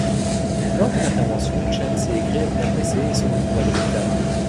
Lors d'une intervention, Chance est grièvement blessé et se retrouve à l'hôpital.